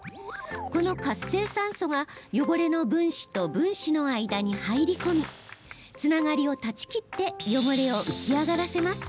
この活性酸素が汚れの分子と分子の間に入り込みつながりを断ち切って汚れを浮き上がらせます。